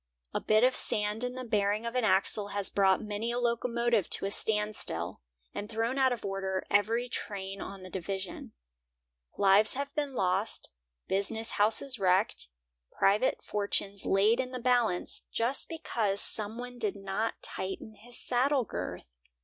A bit of sand in the bearing of an axle has brought many a locomotive to a standstill, and thrown out of order every train on the division. Lives have been lost, business houses wrecked, private fortunes laid in the balance, just because some one did not tighten his saddle girth!